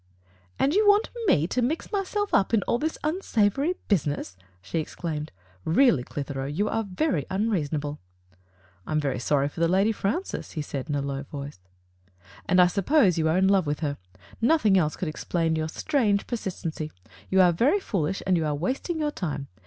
"And you want me to mfx myself up in all this unsavory business?" she exclaimed. "Really, Clitheroe, you are very unreasonable." "I am very sorry for Lady Francis," he said, in a low voice. '*And I suppose you are in love with her. Nothing else could explain your strange per sistency. You are very foolish, and you are wasting your time.